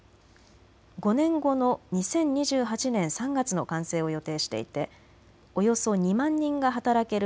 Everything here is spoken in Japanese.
５年後の２０２８年３月の完成を予定していておよそ２万人が働ける